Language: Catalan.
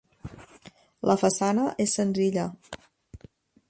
La façana és senzilla.